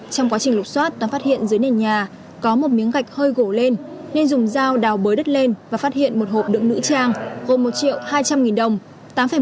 trong quá trình lục xoát đã phát hiện dưới nền nhà có một miếng gạch hơi gổ lên nên dùng dao đào bới đất lên và phát hiện một hộp đựng nữ trang gồm một triệu hai trăm linh nghìn đồng